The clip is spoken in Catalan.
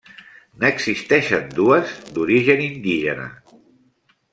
N'existeixen dues d'origen indígena.